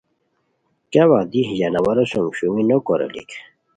کیاوت دی ژانوارو سُم شومی نو کوریلیک